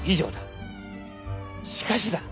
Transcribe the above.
しかしだ！